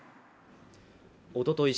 おととい